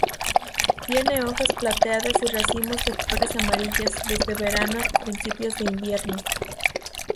Tiene hojas plateadas y racimos de flores amarillas desde verano hasta principios de invierno.